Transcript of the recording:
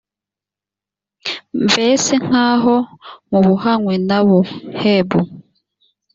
mbese nk aho mubohanywe na bo heb